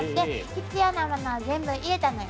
必要なものは全部入れたのよ。